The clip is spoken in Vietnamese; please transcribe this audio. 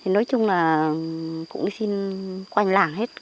nói chung là cũng đi xin quanh làng hết